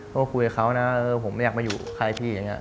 ก็คุยกับเขานะผมไม่อยากมาอยู่ใครพี่อย่างนี้